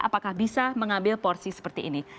apakah bisa mengambil porsi seperti ini